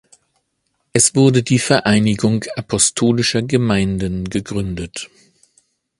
Es wurde die Vereinigung Apostolischer Gemeinden gegründet.